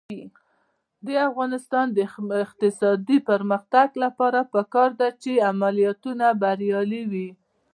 د افغانستان د اقتصادي پرمختګ لپاره پکار ده چې عملیاتونه بریالي وي.